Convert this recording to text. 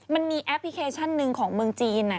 มันมีแอปพลิเคชันหนึ่งของเมืองจีน